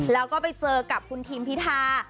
แล้วก็ไปเจอกับคุณทิมพิธา